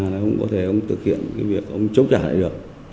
thì ông cũng thực hiện cái việc ông chống trả lại được